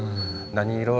何色？